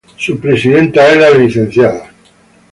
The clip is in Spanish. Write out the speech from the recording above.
Su presidenta es la Lic.